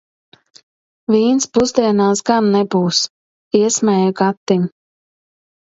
"Vīns pusdienās gan nebūs," iesmēju Gatim.